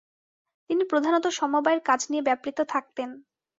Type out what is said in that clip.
তিনি প্রধানত সমবায়ের কাজ নিয়ে ব্যাপৃত থাকতেন।